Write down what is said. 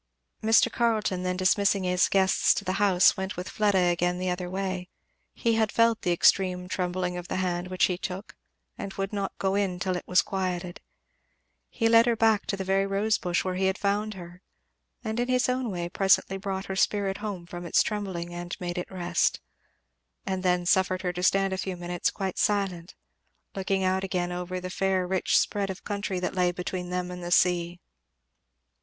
Mr. Carleton then dismissing his guests to the house, went with Fleda again the other way. He had felt the extreme trembling of the hand which he took, and would not go in till it was quieted. He led her back to the very rose bush where he had found her, and in his own way, presently brought her spirit home from its trembling and made it rest; and then suffered her to stand a few minutes quite silent, looking out again over the fair rich spread of country that lay between them and the sea.